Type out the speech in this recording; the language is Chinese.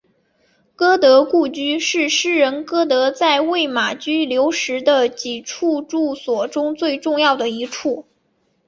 歌德故居是诗人歌德在魏玛居留时的几处住所中最重要的一处。